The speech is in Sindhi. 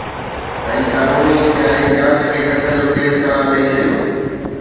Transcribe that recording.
۽ قانوني اختيارين جاچ کي قتل جو ڪيس قرار ڏئي ڇڏيو